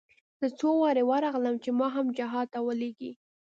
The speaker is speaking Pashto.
زه څو وارې ورغلم چې ما هم جهاد ته ولېږي.